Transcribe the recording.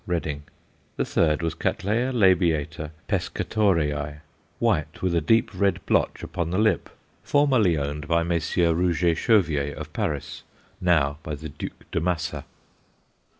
Reading. The third was C. l. Pescatorei, white, with a deep red blotch upon the lip, formerly owned by Messrs. Rouget Chauvier, of Paris, now by the Duc de Massa.